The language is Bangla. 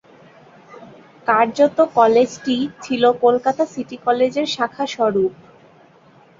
কার্যত কলেজটি ছিল কলকাতা সিটি কলেজের শাখাস্বরূপ।